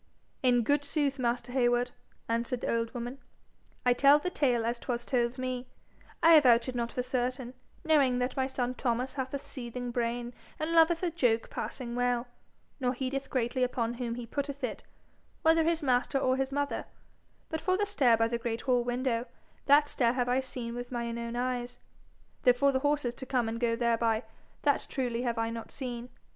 'In good sooth, master Heywood,' answered the old woman, 'I tell the tale as 'twas told to me. I avouch it not for certain, knowing that my son Thomas hath a seething brain and loveth a joke passing well, nor heedeth greatly upon whom he putteth it, whether his master or his mother; but for the stair by the great hall window, that stair have I seen with mine own eyes, though for the horses to come and go thereby, that truly have I not seen.